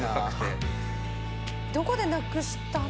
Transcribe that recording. どこで失くした。